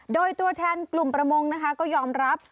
โดยตัวแทนกลุ่มประมงนะคะก็ยอมรับ